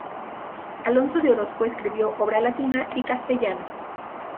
Alonso de Orozco escribió obra latina y castellana.